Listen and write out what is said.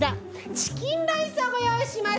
チキンライスをごよういしました！